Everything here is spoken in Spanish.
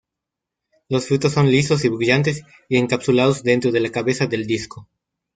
Los frutos son lisos y brillantes y encapsulados dentro de la cabeza del disco.